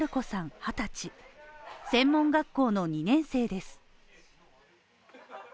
２０歳専門学校の２年生です。